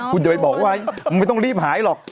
คุณจะไปบอกว่ามึงไม่ต้องรีบหายหรอก